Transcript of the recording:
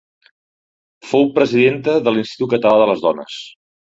Fou presidenta de l'Institut Català de les Dones.